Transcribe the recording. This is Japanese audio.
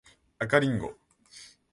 赤リンゴ